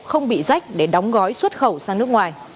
không bị rách để đóng gói xuất khẩu sang nước ngoài